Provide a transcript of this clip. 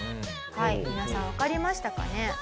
はい皆さんわかりましたかね？